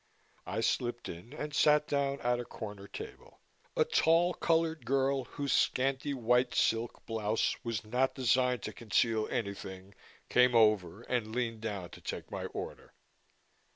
I slipped in and sat down at a corner table. A tall, colored girl, whose scanty white silk blouse was not designed to conceal anything, came over and leaned down to take my order.